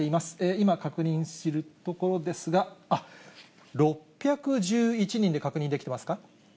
今、確認するところですが、あっ、６１１人で確認できてますか？